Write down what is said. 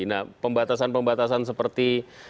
nah pembatasan pembatasan seperti